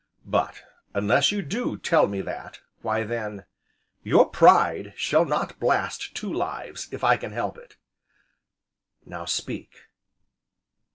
But, unless you do tell me that, why then your Pride shall not blast two lives, if I can help it. Now speak!"